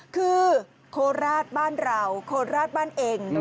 คือโคราชบ้านเราโคราชบ้านเอง